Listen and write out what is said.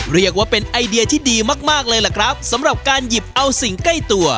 เรียกว่าเป็นไอเดียที่ดีมากมากเลยล่ะครับสำหรับการหยิบเอาสิ่งใกล้ตัว